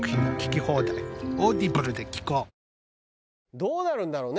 どうなるんだろうね？